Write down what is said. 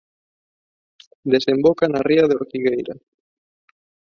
Desemboca na ría de Ortigueira.